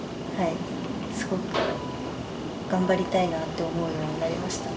すごく頑張りたいなと思うようになりました。